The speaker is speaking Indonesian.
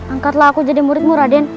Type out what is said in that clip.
angkatlah aku jadi muridmu raden